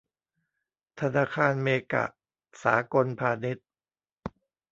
ธนาคารเมกะ สากลพาณิชย์